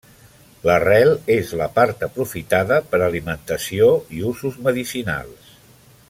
L'arrel és la part aprofitada per a alimentació i usos medicinals.